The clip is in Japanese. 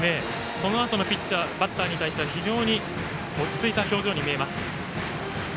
そのあとのバッターに対しては非常に落ち着いた表情です。